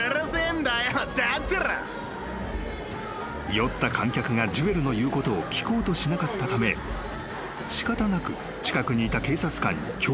［酔った観客がジュエルの言うことを聞こうとしなかったため仕方なく近くにいた警察官に協力を要請した］